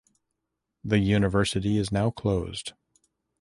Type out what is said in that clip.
The university is now closed.